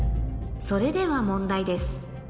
それでは問題です